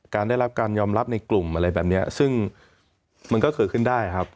ได้รับการยอมรับในกลุ่มอะไรแบบนี้ซึ่งมันก็เกิดขึ้นได้ครับ